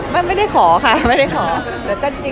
เมื่อกั้นต้องกินมันเอาไง